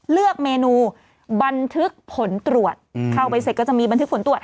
เลือกเมนูบันทึกผลตรวจเข้าไปเสร็จก็จะมีบันทึกผลตรวจ